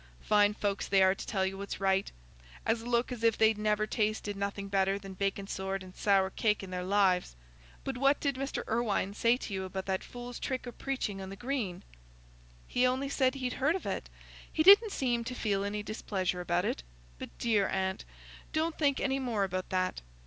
Fine folks they are to tell you what's right, as look as if they'd never tasted nothing better than bacon sword and sour cake i' their lives. But what did Mr. Irwine say to you about that fool's trick o' preaching on the Green?" "He only said he'd heard of it; he didn't seem to feel any displeasure about it. But, dear aunt, don't think any more about that.